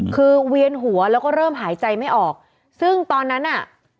คือเวียนหัวแล้วก็เริ่มหายใจไม่ออกซึ่งตอนนั้นน่ะ